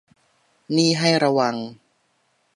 นี่ให้ระวัง